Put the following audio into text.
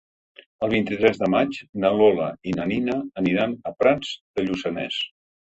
El vint-i-tres de maig na Lola i na Nina aniran a Prats de Lluçanès.